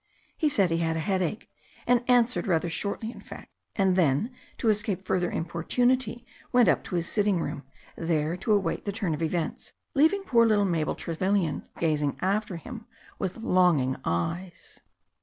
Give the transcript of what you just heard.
He said he had a headache, and answered rather shortly in fact, and then, to escape further importunity, went up to his sitting room, there to await the turn of events, leaving poor little Mabel Trevellian gazing after him with longing eyes.